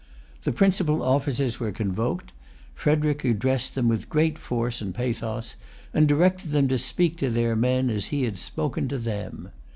The principal officers were convoked. Frederic addressed them with great force and pathos; and directed them to speak to their men as he had spoken to them.